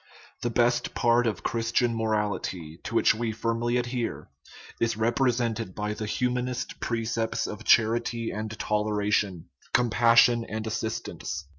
The best part of Christian morality, to which we firmly adhere, is represented by the humanist precepts of charity and toleration, compassion and assistance.